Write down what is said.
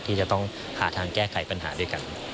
ที่จะต้องหาทางแก้ไขปัญหาด้วยกัน